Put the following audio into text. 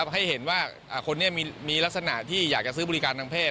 ให้เห็นว่าคนนี้มีลักษณะที่อยากจะซื้อบริการทางเพศ